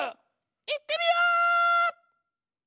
いってみよう！